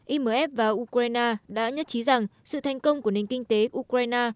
imf và ukraine đã nhất trí rằng sự thành công của nền kinh tế ukraine